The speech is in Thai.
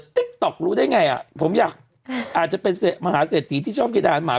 ติ๊กต็อกรู้ได้ไงอ่ะผมอยากอาจจะเป็นหมาเสถีทิชอบกินอาหารหมา